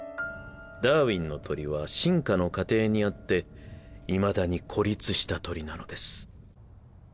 ダーウィンの鳥は進化の過程にあっていまだに孤立した鳥なのです。